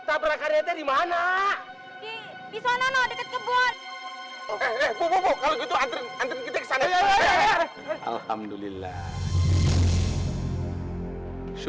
apa itu anak pak haji